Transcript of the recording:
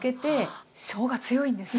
しょうが強いんですね。